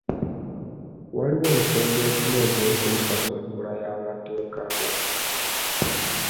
Waliwo ensonga ezimu ezeekuusa ku nkola y'amateeka gaffe.